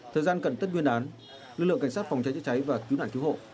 thời gian cần tất nguyên án lực lượng cảnh sát phòng cháy chữa cháy và cứu nạn cứu hộ